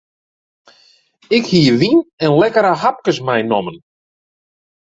Ik hie wyn en lekkere hapkes meinommen.